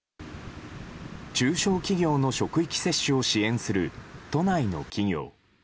中小企業の職域接種を支援する都内の企業。